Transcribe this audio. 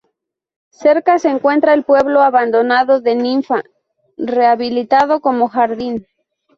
Cerca se encuentra el pueblo abandonado de Ninfa, rehabilitado como jardín.